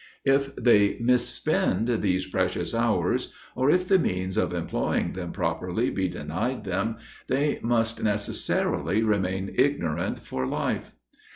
If they mispend these precious hours, or if the means of employing them properly be denied them, they must necessarily remain ignorant for life.